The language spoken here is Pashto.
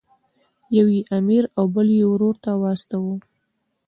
یو یې امیر او بل یې ورور ته واستاوه.